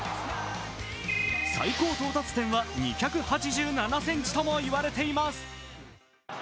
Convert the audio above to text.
最高到達点は２８７ｃｍとも言われています。